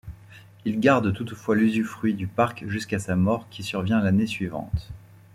Il garde toutefois l'usufruit du parc jusqu'à sa mort qui survient l'année suivante.